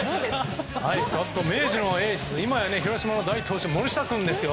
明治のエース、今や広島の大エース、森下君ですよ。